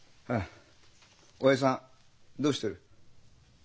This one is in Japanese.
親父さんどうしてる？